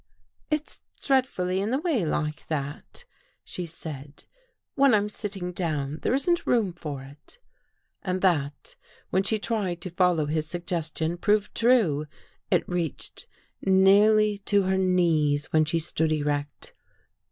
" It's dreadfully in the way like that," she said, " when I'm sitting down. There isn't room for it." And that, when she tried to follow his suggestion, proved true. It reached nearly to her knees when she stood erect.